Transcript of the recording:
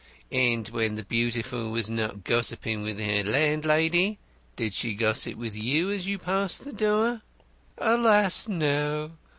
"And when the Beautiful was not gossiping with her landlady, did she gossip with you as you passed the door?" "Alas, no!